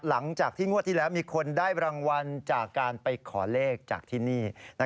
หลังจากที่งวดที่แล้วมีคนได้รางวัลจากการไปขอเลขจากที่นี่